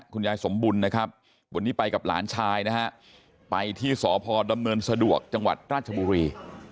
คุณยายสมบุญนะครับวันนี้ไปกับหลานชายนะฮะไปที่สพดำเนินสะดวกจังหวัดราชบุรี